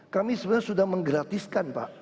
kami sudah menggratiskan pak